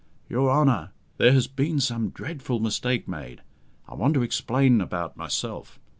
"Your Honour, there has been some dreadful mistake made. I want to explain about myself.